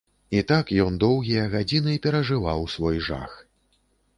І так ён доўгія гадзіны перажываў свой жах.